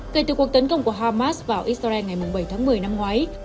kể từ cuộc tấn công của hamas vào israel ngày bảy tháng một mươi năm ngoái